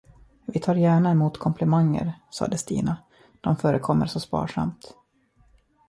Vi tar gärna emot komplimanger, sade Stina, de förekommer så sparsamt.